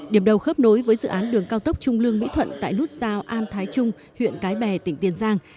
điểm đầu khớp nối với dự án đường cao tốc trung lương mỹ thuận tại nút giao an thái trung huyện cái bè tỉnh tiền giang